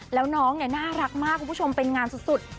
แล้วน้องเนี่ยน่ารักมากคุณผู้ชมเป็นงานสุด